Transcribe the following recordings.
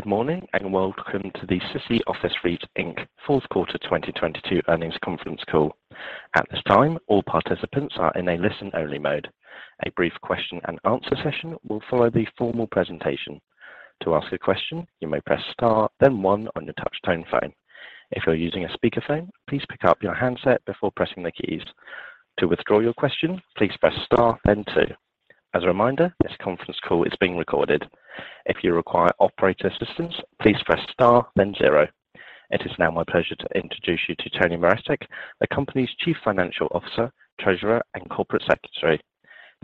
Good morning, welcome to the City Office REIT, Inc. Q4 2022 earnings conference call. At this time, all participants are in a listen-only mode. A brief question and answer session will follow the formal presentation. To ask a question, you may press Star, then one on your touch tone phone. If you're using a speaker phone, please pick up your handset before pressing the keys. To withdraw your question, please press Star, then two. As a reminder, this conference call is being recorded. If you require operator assistance, please press Star, then zero. It is now my pleasure to introduce you to Tony Maretic, the company's Chief Financial Officer, Treasurer, and Corporate Secretary.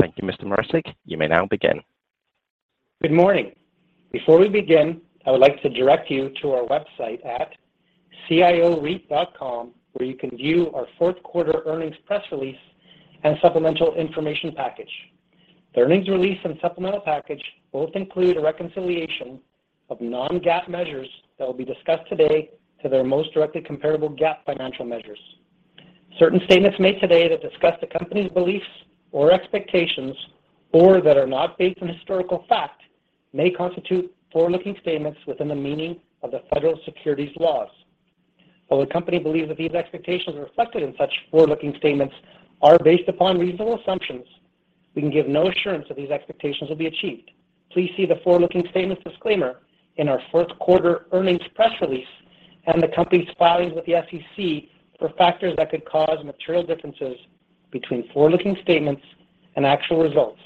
Thank you, Mr. Maretic. You may now begin. Good morning. Before we begin, I would like to direct you to our website at cioreit.com, where you can view our Q4 earnings press release and supplemental information package. The earnings release and supplemental package both include a reconciliation of non-GAAP measures that will be discussed today to their most directly comparable GAAP financial measures. Certain statements made today that discuss the company's beliefs or expectations, or that are not based on historical fact, may constitute forward-looking statements within the meaning of the federal securities laws. While the company believes that these expectations reflected in such forward-looking statements are based upon reasonable assumptions, we can give no assurance that these expectations will be achieved. Please see the forward-looking statements disclaimer in our Q4 earnings press release and the company's filings with the SEC for factors that could cause material differences between forward-looking statements and actual results.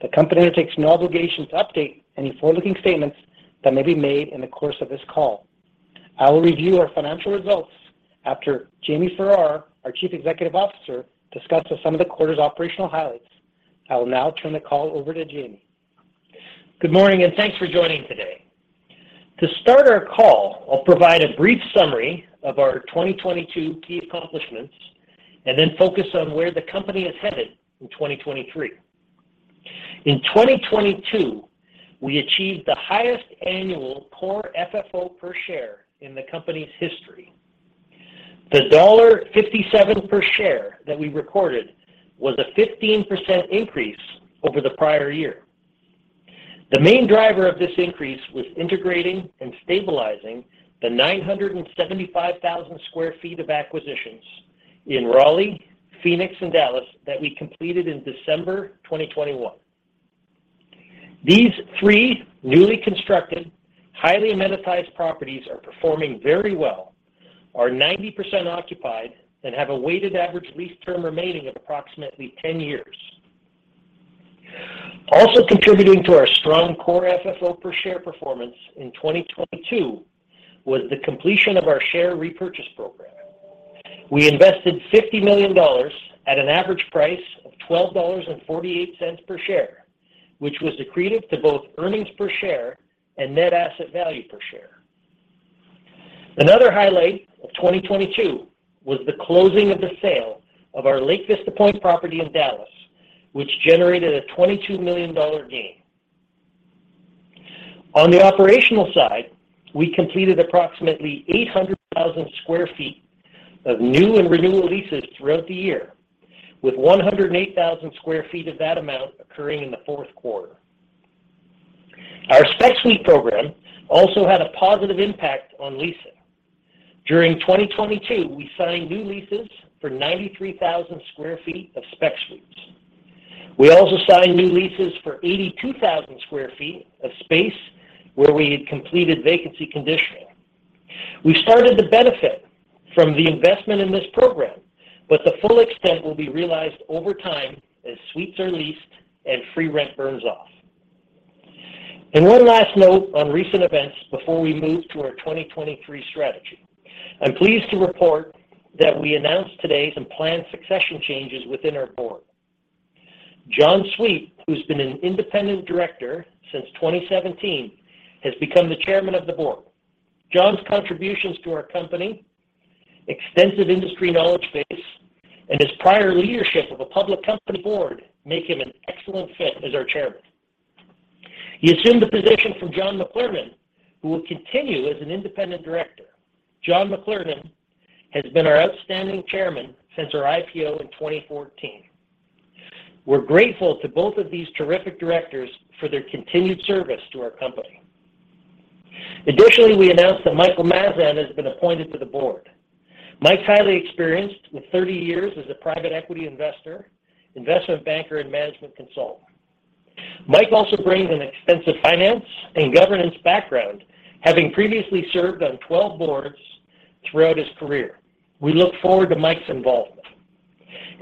The company undertakes no obligation to update any forward-looking statements that may be made in the course of this call. I will review our financial results after Jamie Farrar, our Chief Executive Officer, discusses some of the quarter's operational highlights. I will now turn the call over to Jamie. Good morning, and thanks for joining today. To start our call, I'll provide a brief summary of our 2022 key accomplishments and then focus on where the company is headed in 2023. In 2022, we achieved the highest annual core FFO per share in the company's history. The $1.57 per share that we recorded was a 15% increase over the prior year. The main driver of this increase was integrating and stabilizing the 975,000 sq ft of acquisitions in Raleigh, Phoenix, and Dallas that we completed in December 2021. These three newly constructed, highly amenitized properties are performing very well, are 90% occupied, and have a weighted average lease term remaining of approximately 10 years. Also contributing to our strong core FFO per share performance in 2022 was the completion of our share repurchase program. We invested $50 million at an average price of $12.48 per share, which was accretive to both earnings per share and net asset value per share. Another highlight of 2022 was the closing of the sale of our Lake Vista Point property in Dallas, which generated a $22 million gain. On the operational side, we completed approximately 800,000 sq ft of new and renewal leases throughout the year, with 108,000 sq ft of that amount occurring in the Q4. Our spec suite program also had a positive impact on leasing. During 2022, we signed new leases for 93,000 sq ft of spec suites. We also signed new leases for 82,000 sq ft of space where we had completed vacancy conditioning. We started to benefit from the investment in this program, but the full extent will be realized over time as suites are leased and free rent burns off. One last note on recent events before we move to our 2023 strategy. I'm pleased to report that we announced today some planned succession changes within our board. John Sweet, who's been an independent director since 2017, has become the Chairman of the Board. John's contributions to our company, extensive industry knowledge base, and his prior leadership of a public company board make him an excellent fit as our chairman. He assumed the position from John McLernon, who will continue as an independent director. John McLernon has been our outstanding Chairman since our IPO in 2014. We're grateful to both of these terrific directors for their continued service to our company. Additionally, we announced that Michael Mazan has been appointed to the board. Mike's highly experienced with 30 years as a private equity investor, investment banker, and management consultant. Mike also brings an extensive finance and governance background, having previously served on 12 boards throughout his career. We look forward to Mike's involvement.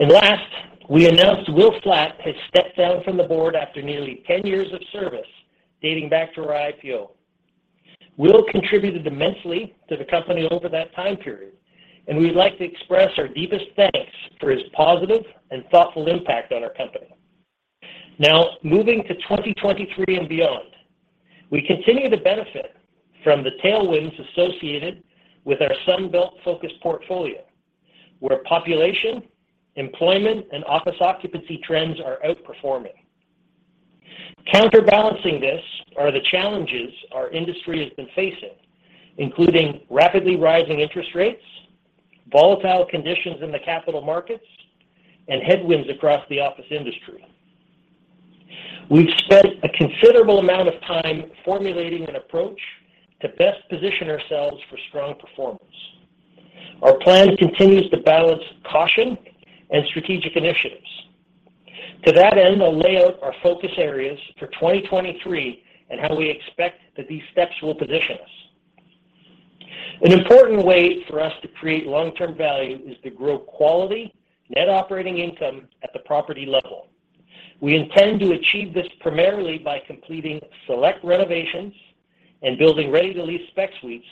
Last, we announced Will Flatt has stepped down from the board after nearly 10 years of service, dating back to our IPO. Will contributed immensely to the company over that time period, and we'd like to express our deepest thanks for his positive and thoughtful impact on our company. Now, moving to 2023 and beyond, we continue to benefit from the tailwinds associated with our Sun Belt-focused portfolio, where population, employment, and office occupancy trends are outperforming. Counterbalancing this are the challenges our industry has been facing, including rapidly rising interest rates, volatile conditions in the capital markets, and headwinds across the office industry. We've spent a considerable amount of time formulating an approach to best position ourselves for strong performance. Our plan continues to balance caution and strategic initiatives. To that end, I'll lay out our focus areas for 2023 and how we expect that these steps will position us. An important way for us to create long-term value is to grow quality net operating income at the property level. We intend to achieve this primarily by completing select renovations and building ready-to-lease spec suites,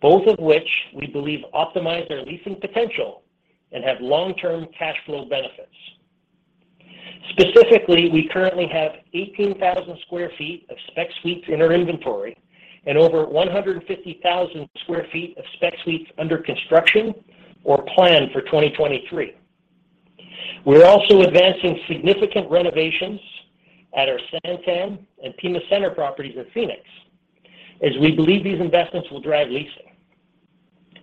both of which we believe optimize our leasing potential and have long-term cash flow benefits. Specifically, we currently have 18,000 sq ft of spec suites in our inventory and over 150,000 sq ft of spec suites under construction or planned for 2023. We're also advancing significant renovations at our SanTan and Pima Center properties in Phoenix, as we believe these investments will drive leasing.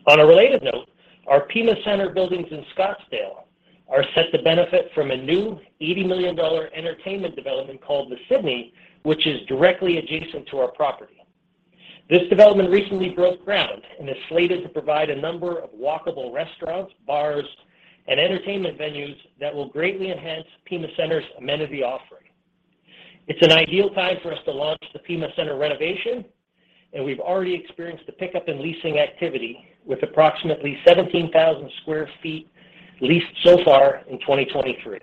On a related note, our Pima Center buildings in Scottsdale are set to benefit from a new $80 million entertainment development called The Sydney, which is directly adjacent to our property. This development recently broke ground and is slated to provide a number of walkable restaurants, bars, and entertainment venues that will greatly enhance Pima Center's amenity offering. It's an ideal time for us to launch the Pima Center renovation, and we've already experienced a pickup in leasing activity with approximately 17,000 sq ft leased so far in 2023.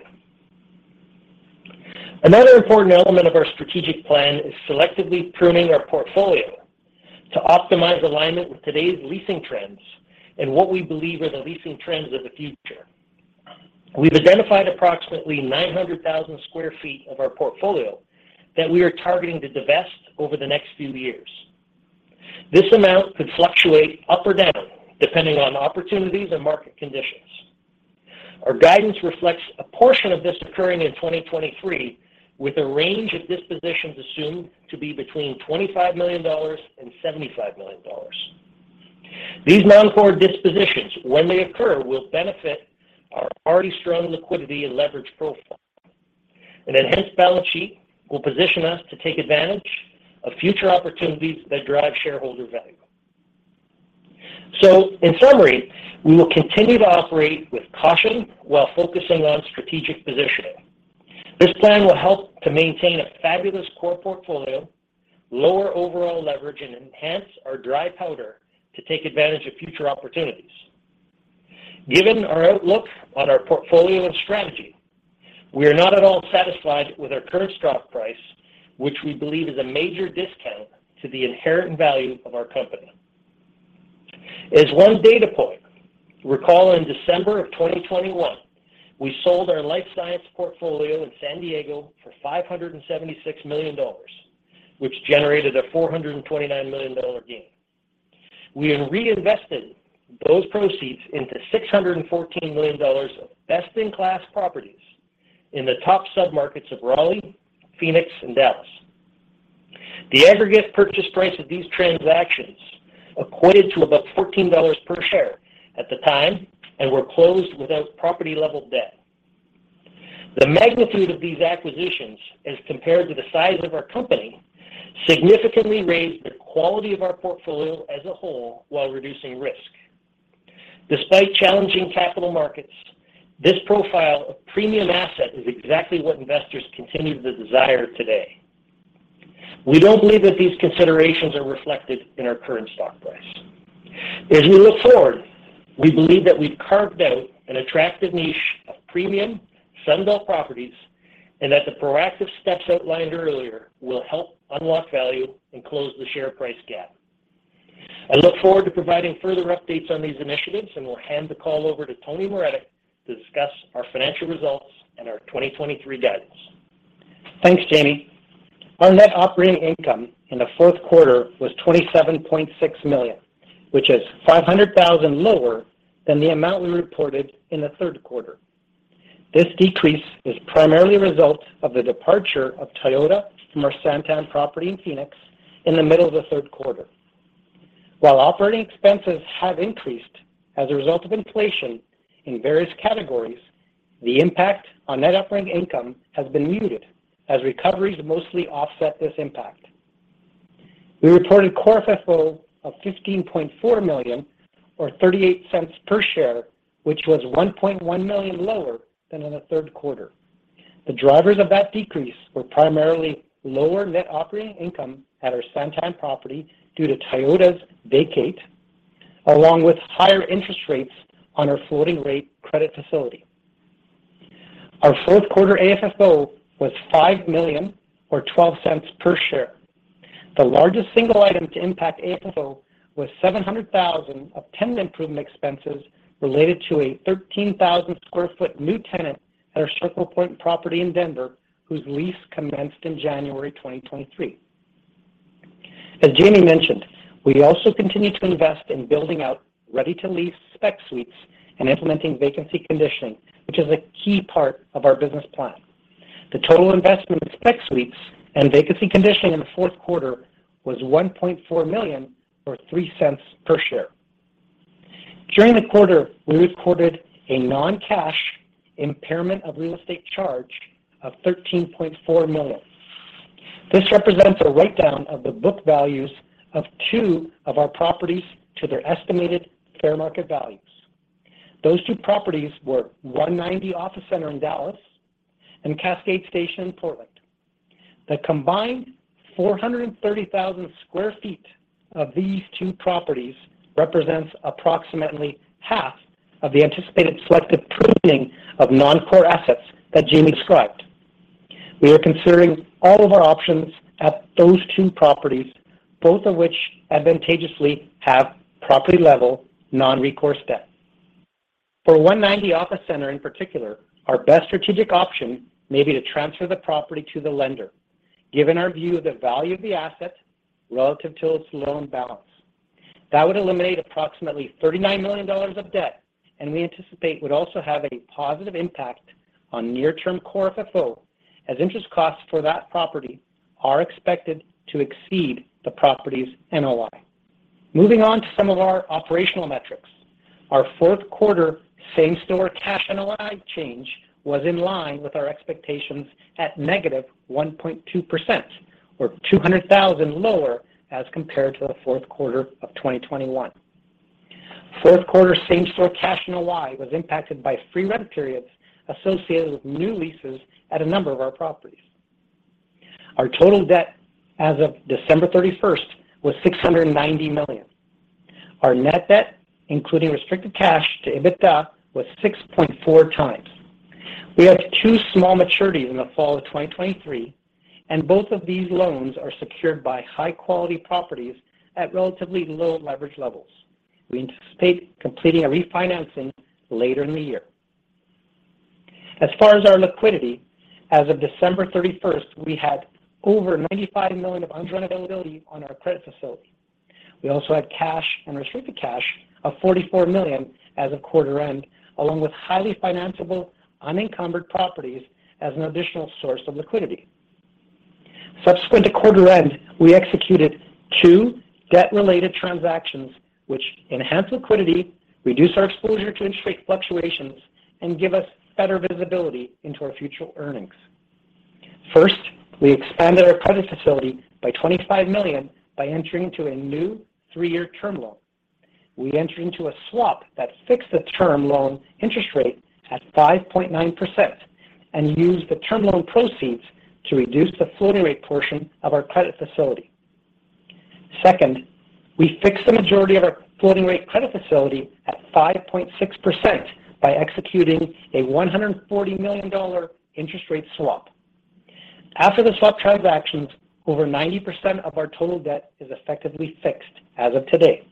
Another important element of our strategic plan is selectively pruning our portfolio to optimize alignment with today's leasing trends and what we believe are the leasing trends of the future. We've identified approximately 900,000 sq ft of our portfolio that we are targeting to divest over the next few years. This amount could fluctuate up or down, depending on opportunities and market conditions. Our guidance reflects a portion of this occurring in 2023, with a range of dispositions assumed to be between $25 million and $75 million. These non-core dispositions, when they occur, will benefit our already strong liquidity and leverage profile. An enhanced balance sheet will position us to take advantage of future opportunities that drive shareholder value. In summary, we will continue to operate with caution while focusing on strategic positioning. This plan will help to maintain a fabulous core portfolio, lower overall leverage, and enhance our dry powder to take advantage of future opportunities. Given our outlook on our portfolio and strategy, we are not at all satisfied with our current stock price, which we believe is a major discount to the inherent value of our company. As one data point, recall in December of 2021, we sold our life science portfolio in San Diego for $576 million, which generated a $429 million gain. We then reinvested those proceeds into $614 million of best-in-class properties in the top submarkets of Raleigh, Phoenix, and Dallas. The aggregate purchase price of these transactions equated to about $14 per share at the time and were closed without property-level debt. The magnitude of these acquisitions, as compared to the size of our company, significantly raised the quality of our portfolio as a whole while reducing risk. Despite challenging capital markets, this profile of premium asset is exactly what investors continue to desire today. We don't believe that these considerations are reflected in our current stock price. As we look forward, we believe that we've carved out an attractive niche of premium Sun Belt properties and that the proactive steps outlined earlier will help unlock value and close the share price gap. I look forward to providing further updates on these initiatives, and we'll hand the call over to Tony Maretic to discuss our financial results and our 2023 guidance. Thanks, Jamie. Our net operating income in the Q4 was $27.6 million, which is $500,000 lower than the amount we reported in the Q3. This decrease is primarily a result of the departure of Toyota from our SanTan property in Phoenix in the middle of the Q3. While operating expenses have increased as a result of inflation in various categories, the impact on net operating income has been muted as recoveries mostly offset this impact. We reported core FFO of $15.4 million or $0.38 per share, which was $1.1 million lower than in the Q3. The drivers of that decrease were primarily lower net operating income at our SanTan property due to Toyota's vacate, along with higher interest rates on our floating rate credit facility. Our Q4 AFFO was $5 million or $0.12 per share. The largest single item to impact AFFO was $700,000 of tenant improvement expenses related to a 13,000 sq ft new tenant at our Circle Point property in Denver whose lease commenced in January 2023. As Jamie mentioned, we also continue to invest in building out ready-to-lease spec suites and implementing vacancy conditioning, which is a key part of our business plan. The total investment in spec suites and vacancy conditioning in the Q4 was $1.4 million or $0.03 per share. During the quarter, we recorded a non-cash impairment of real estate charge of $13.4 million. This represents a write-down of the book values of two of our properties to their estimated fair market values. Those two properties were 190 Office Center in Dallas and Cascade Station in Portland. The combined 430,000 sq ft of these two properties represents approximately half of the anticipated selective pruning of non-core assets that Jamie described. We are considering all of our options at those two properties, both of which advantageously have property level non-recourse debt. For 190 Office Center in particular, our best strategic option may be to transfer the property to the lender. Given our view of the value of the asset relative to its loan balance, that would eliminate approximately $39 million of debt, and we anticipate would also have a positive impact on near term core FFO, as interest costs for that property are expected to exceed the property's NOI. Moving on to some of our operational metrics. Our Q4 same-store cash NOI change was in line with our expectations at -1.2% or $200,000 lower as compared to the Q4 of 2021. Q4 same-store cash NOI was impacted by free rent periods associated with new leases at a number of our properties. Our total debt as of December 31st was $690 million. Our net debt, including restricted cash to EBITDA, was 6.4x. We had two small maturities in the fall of 2023. Both of these loans are secured by high quality properties at relatively low leverage levels. We anticipate completing a refinancing later in the year. As far as our liquidity, as of December 31st, we had over $95 million of undrawn availability on our credit facility. We also had cash and restricted cash of $44 million as of quarter end, along with highly financeable unencumbered properties as an additional source of liquidity. Subsequent to quarter end, we executed two debt related transactions which enhance liquidity, reduce our exposure to interest rate fluctuations, and give us better visibility into our future earnings. First, we expanded our credit facility by $25 million by entering into a new three-year term loan. We entered into a swap that fixed the term loan interest rate at 5.9% and used the term loan proceeds to reduce the floating rate portion of our credit facility. Second, we fixed the majority of our floating rate credit facility at 5.6% by executing a $140 million interest rate swap. After the swap transactions, over 90% of our total debt is effectively fixed as of today.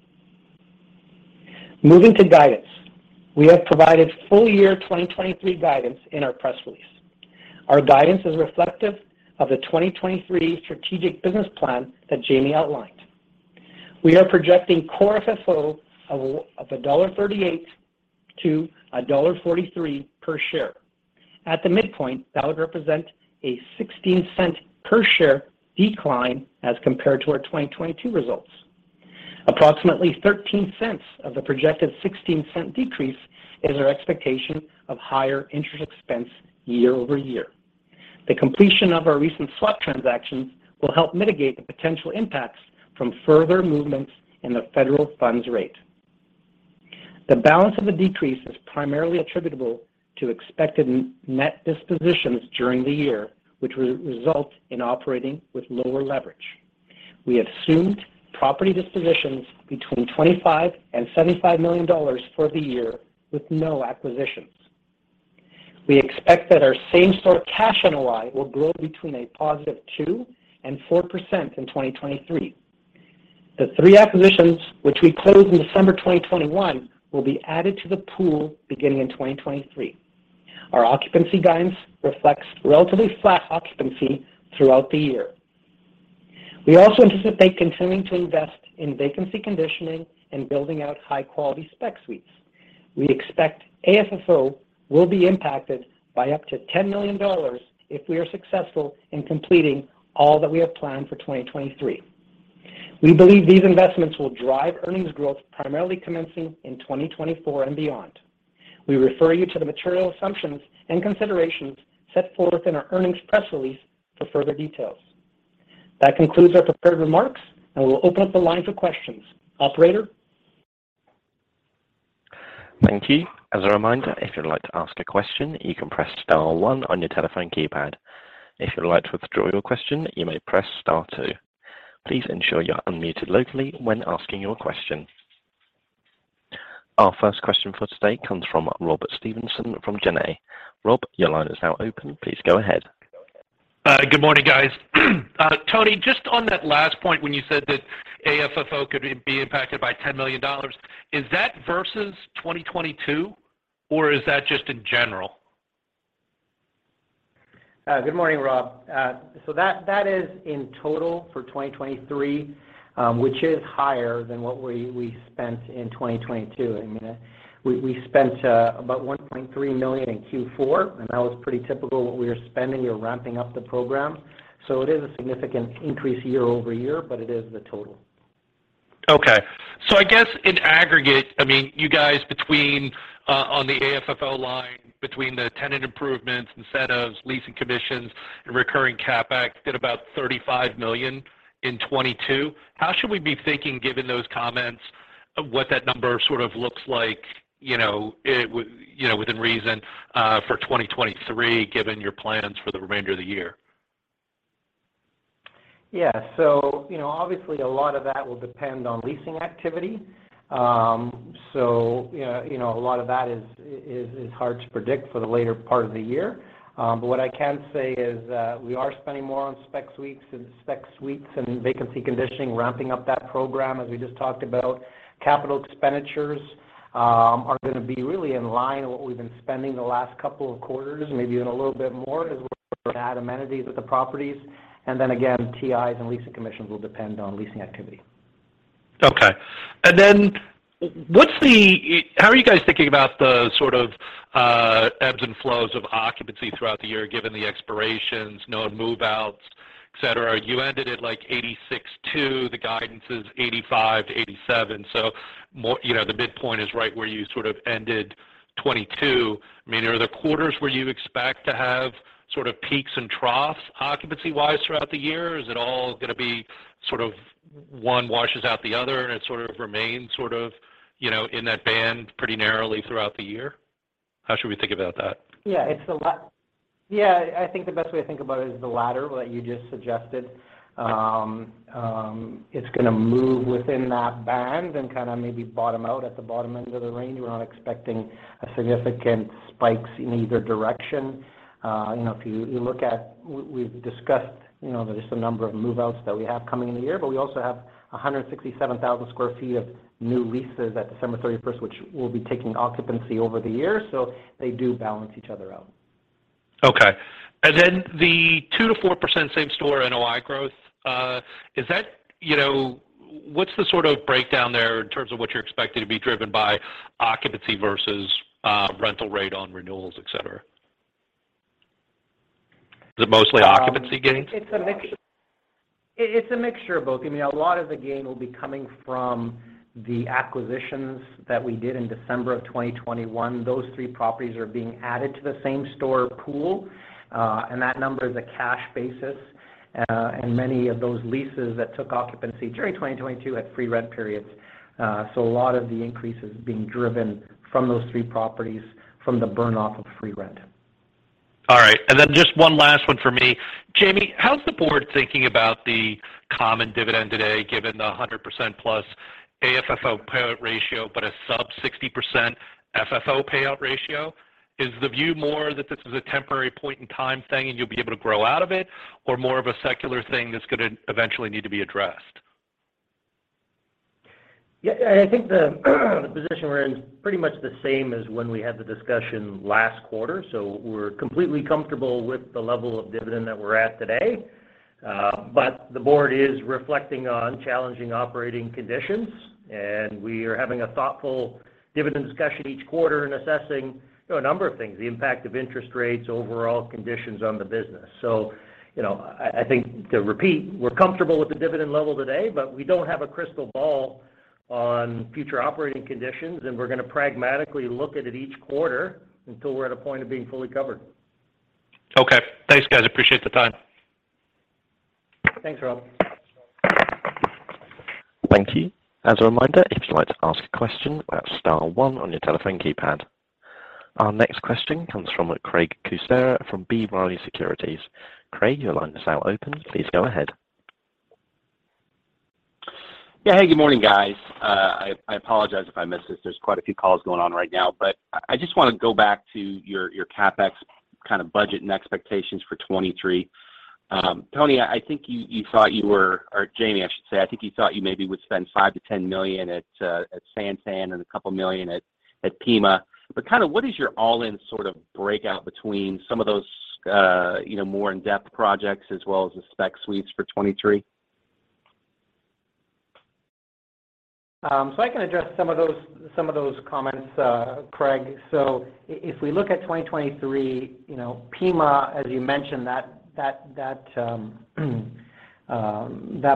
Moving to guidance. We have provided full year 2023 guidance in our press release. Our guidance is reflective of the 2023 strategic business plan that Jamie outlined. We are projecting core FFO of $1.38 to $1.43 per share. At the midpoint, that would represent a $0.16 per share decline as compared to our 2022 results. Approximately $0.13 of the projected $0.16 decrease is our expectation of higher interest expense year-over-year. The completion of our recent swap transactions will help mitigate the potential impacts from further movements in the federal funds rate. The balance of the decrease is primarily attributable to expected net dispositions during the year, which result in operating with lower leverage. We assumed property dispositions between $25 million-$75 million for the year with no acquisitions. We expect that our same-store cash NOI will grow between a positive 2% and 4% in 2023. The three acquisitions which we closed in December 2021 will be added to the pool beginning in 2023. Our occupancy guidance reflects relatively flat occupancy throughout the year. We also anticipate continuing to invest in vacancy conditioning and building out high quality spec suites. We expect AFFO will be impacted by up to $10 million if we are successful in completing all that we have planned for 2023. We believe these investments will drive earnings growth, primarily commencing in 2024 and beyond. We refer you to the material assumptions and considerations set forth in our earnings press release for further details. That concludes our prepared remarks. We'll open up the lines of questions. Operator. Thank you. As a reminder, if you'd like to ask a question, you can press star one on your telephone keypad. If you'd like to withdraw your question, you may press star two. Please ensure you're unmuted locally when asking your question. Our first question for today comes from Robert Stevenson from Janney. Rob, your line is now open. Please go ahead. Good morning, guys. Tony, just on that last point when you said that AFFO could be impacted by $10 million, is that versus 2022, or is that just in general? Good morning, Rob. That is in total for 2023, which is higher than what we spent in 2022. I'm going to We spent about $1.3 million in Q4, and that was pretty typical what we are spending. We're ramping up the program. It is a significant increase year-over-year. It is the total. I guess in aggregate, I mean, you guys between on the AFFO line between the tenant improvements, incentives, leasing commissions, and recurring CapEx did about $35 million in 2022. How should we be thinking given those comments of what that number sort of looks like, you know, within reason for 2023, given your plans for the remainder of the year? Yeah. You know, obviously, a lot of that will depend on leasing activity. Yeah, you know, a lot of that is hard to predict for the later part of the year. But what I can say is that we are spending more on spec suites and vacancy conditioning, ramping up that program as we just talked about. Capital expenditures are going to be really in line with what we've been spending the last couple of quarters, maybe even a little bit more as we add amenities at the properties. Then again, TIs and leasing commissions will depend on leasing activity. What's the, how are you guys thinking about the sort of, ebbs and flows of occupancy throughout the year given the expirations, known move-outs, et cetera. You ended at, like, 86 to the guidance 85-87. More... You know, the midpoint is right where you sort of ended 2022. I mean, are there quarters where you expect to have sort of peaks and troughs occupancy-wise throughout the year? Is it all going to be sort of one wash out the other and it sort of remains sort of you know, in that band pretty narrowly throughout the year? How should we think about that? Yeah, it's the la... Yeah. I think the best way to think about it is the latter that you just suggested. It's going to move within that band and kind of maybe bottom out at the bottom end of the range. We're not expecting a significant spike in either direction. You know, if you look at we've discussed, you know, there's a number of move-outs that we have coming in the year, but we also have 167,000 sq ft of new leases at December 31st, which we'll be taking occupancy over the year. They do balance each other out. Okay. Then the 2%-4% same-store NOI growth, is that you know? What's the sort of breakdown there in terms of what you're expecting to be driven by occupancy versus rental rate on renewals, et cetera? Is it mostly occupancy gains? It's a mix. It's a mixture of both. I mean, a lot of the gain will be coming from the acquisitions that we did in December of 2021. Those three properties are being added to the same-store pool, and that number is a cash basis. Many of those leases that took occupancy during 2022 had free rent periods. A lot of the increase is being driven from those three properties from the burn-off of free rent. All right. Then just one last one for me. Jamie, how's the board thinking about the common dividend today given the 100% plus AFFO payout ratio but a sub 60% FFO payout ratio? Is the view more that this is a temporary point in time thing and you'll be able to grow out of it or more of a secular thing that's going to eventually need to be addressed? Yeah. I think the position we're in is pretty much the same as when we had the discussion last quarter. We're completely comfortable with the level of dividend that we're at today. The board is reflecting on challenging operating conditions, and we are having a thoughtful dividend discussion each quarter and assessing, you know, a number of things, the impact of interest rates, overall conditions on the business. You know, I think to repeat, we're comfortable with the dividend level today, but we don't have a crystal ball on future operating conditions, and we're going to pragmatically look at it each quarter until we're at a point of being fully covered. Okay. Thanks, guys. Appreciate the time. Thanks, Rob. Thank you. As a reminder, if you'd like to ask a question, press star one on your telephone keypad. Our next question comes from Craig Kucera from B. Riley Securities. Craig, your line is now open. Please go ahead. Yeah. Hey, good morning, guys. I apologize if I missed this. There are quite a few calls going on right now. I just want to go back to your CapEx kind of budget and expectations for 2023. Tony, I think you thought or Jamie, I should say, I think you thought you maybe would spend $5-$10 million at SanTan and $2 million at Pima. Kind of what is your all-in sort of breakout between some of those, you know, more in-depth projects as well as the spec suites for 2023? I can address some of those, some of those comments, Craig. If we look at 2023, you know, Pima, as you mentioned, that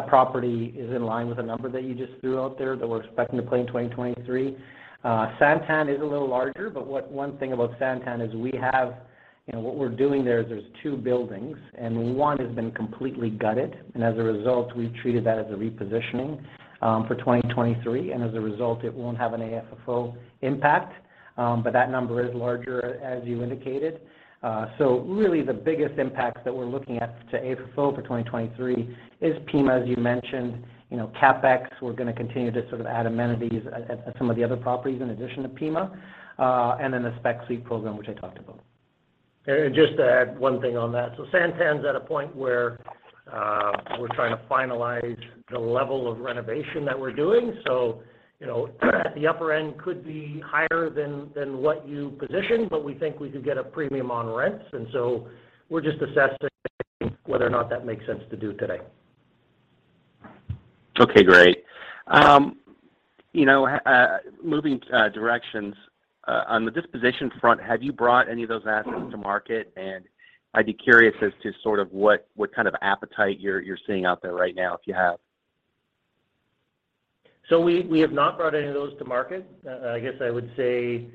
property is in line with the number that you just threw out there that we're expecting to play in 2023. SanTan is a little larger, but one thing about SanTan is we have, you know, what we're doing there is there's two buildings, and one has been completely gutted, and as a result, we've treated that as a repositioning for 2023. As a result, it won't have an AFFO impact, that number is larger as you indicated. Really the biggest impacts that we're looking at to AFFO for 2023 is Pima, as you mentioned. You know, CapEx, we're going to continue to sort of add amenities at some of the other properties in addition to Pima, and then the spec suite program, which I talked about. Just to add one thing on that. SanTan's at a point where we're trying to finalize the level of renovation that we're doing. You know, the upper end could be higher than what you positioned, but we think we could get a premium on rents. We're just assessing whether or not that makes sense to do today. Okay, great. you know, moving directions on the disposition front, have you brought any of those assets to market? I'd be curious as to sort of what kind of appetite you're seeing out there right now if you have. We have not brought any of those to market. I guess I would say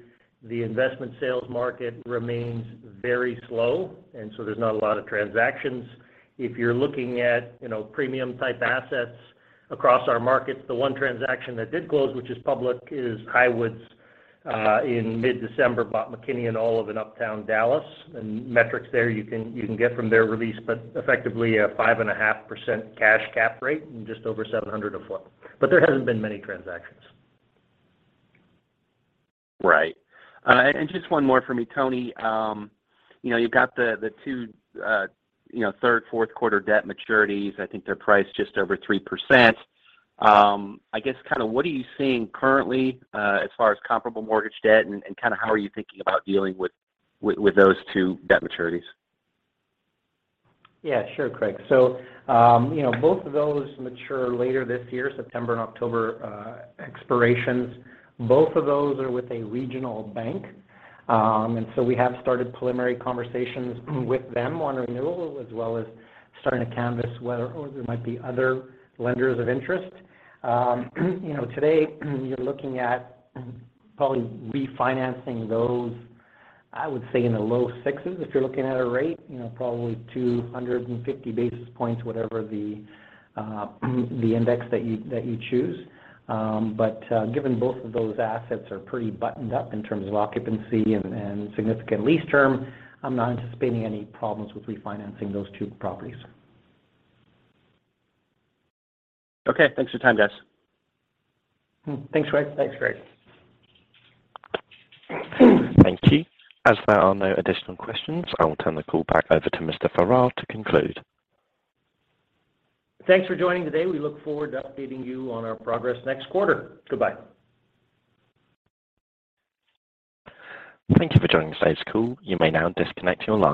the investment sales market remains very slow. There's not a lot of transactions. If you're looking at, you know, premium type assets across our markets, the one transaction that did close, which is public, is Highwoods in mid-December, bought McKinney & Olive in Uptown Dallas. Metrics there, you can get from their release, but effectively a 5.5% cash cap rate and just over $700 of flow. There hasn't been many transactions. Right. Just one more for me, Tony. You know, you've got the two, you know, third, Q4 debt maturities. I think they're priced just over 3%. I guess kind of what are you seeing currently, as far as comparable mortgage debt and kind of how are you thinking about dealing with those two debt maturities? Yeah, sure, Craig. You know, both of those mature later this year, September and October expirations. Both of those are with a regional bank. We have started preliminary conversations with them on renewal, as well as starting to canvas whether or there might be other lenders of interest. You know, today you're looking at probably refinancing those, I would say in the low sixes if you're looking at a rate, you know, probably 250 basis points, whatever the index that you choose. Given both of those assets are pretty buttoned up in terms of occupancy and significant lease term, I'm not anticipating any problems with refinancing those two properties. Okay. Thanks for your time, guys. Thanks, Craig. Thanks, Craig. Thank you. As there are no additional questions, I will turn the call back over to Mr. Farrar to conclude. Thanks for joining today. We look forward to updating you on our progress next quarter. Goodbye. Thank you for joining today's call. You may now disconnect your line.